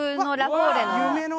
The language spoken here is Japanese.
夢の。